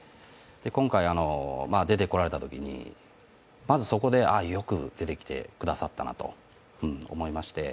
今回、出てこられたときに、まずそこで、よく出てきてくださったなと思いまして。